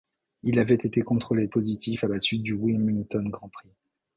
Il avait été contrôlé positif à la suite du Wilmington Grand Prix.